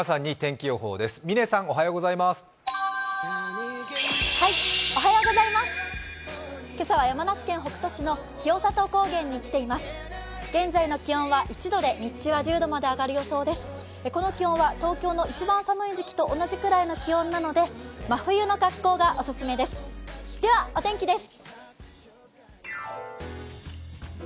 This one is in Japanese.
この気温は東京の一番寒い時期と同じくらいの気温なので真冬の格好がお勧めです。